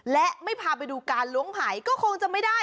และไม่พาไปดูการล้วงหายก็คงจะไม่ได้